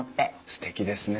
すてきですね。